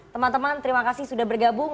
teman teman terima kasih sudah bergabung